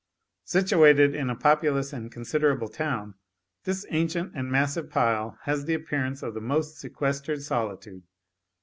Situated in a populous and considerable town, this ancient and massive pile has the appearance of the most sequestered solitude.